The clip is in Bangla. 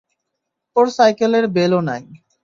ওর সাইকেলের বেল ও নাই।